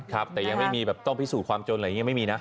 ครับแต่ยังไม่มีแบบต้องพิสูจน์ความจนอะไรอย่างนี้ไม่มีนะ